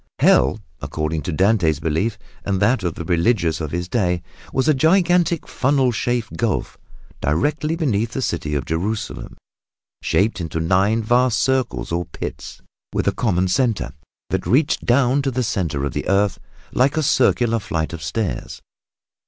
Hell, according to Dante's belief, and that of the religion of his day, was a gigantic funnel shaped gulf directly beneath the city of Jerusalem, shaped into nine vast circles or pits with a common center that reached down to the center of the earth like a circular flight of stairs.